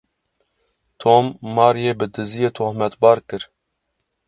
Tom, Maryê bi diziyê tohmetbar kir.